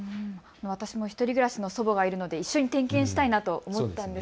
私も１人暮らしの祖母がいるので一緒に点検したいなと思いました。